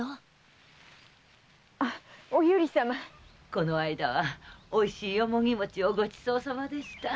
この間はおいしいよもぎ餅をごちそうさまでした。